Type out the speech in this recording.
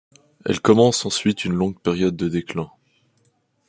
Elle commence ensuite une longue période de déclin.